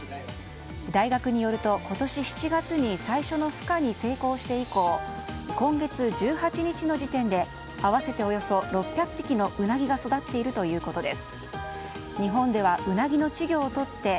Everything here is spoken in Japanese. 大学によると今年７月に最初のふ化に成功して以降今月１８日の時点で合わせておよそ６００匹のウナギが育っているということです。